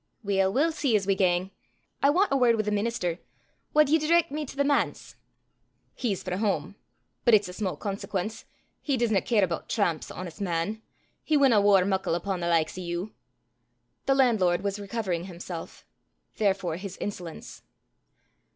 "Weel we'll see as we gang. I want a word wi' the minister. Wad ye direc' me to the manse?" "He's frae hame. But it's o' sma' consequence; he disna care aboot tramps, honest man! He winna waur muckle upo' the likes o' you." The landlord was recovering himself therefore his insolence.